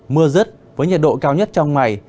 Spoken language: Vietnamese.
mưa rứt với nhiệt độ cao nhất trong ngày